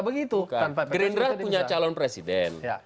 begitu kan gerindra punya calon presiden